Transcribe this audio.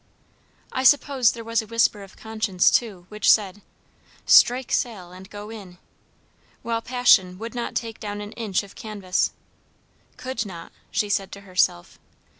I suppose there was a whisper of conscience, too, which said, "Strike sail, and go in!" while passion would not take down an inch of canvas. Could not, she said to herself.